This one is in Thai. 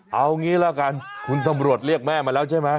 เอางี้ละกันคุณตำรวจเรียกแม่มาแล้วใช่ไหม